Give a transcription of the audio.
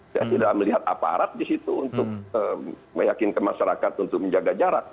saya tidak melihat aparat di situ untuk meyakinkan masyarakat untuk menjaga jarak